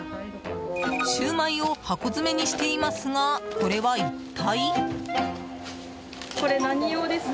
シューマイを箱詰めにしていますがこれは一体。